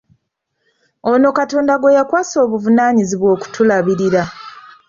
Ono Katonda gwe yakwasa obuvunaanyizibwa okutulabirira.